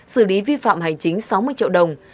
xử lý vi phạm hành chính sáu mươi triệu đồng